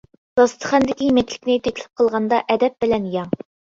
داستىخاندىكى يېمەكلىكنى تەكلىپ قىلغاندا ئەدەپ بىلەن يەڭ.